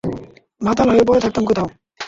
মাতাল হয়ে পরে থাকতাম কোথাও।